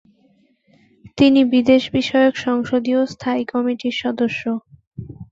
তিনি বিদেশ বিষয়ক সংসদীয় স্থায়ী কমিটির সদস্য।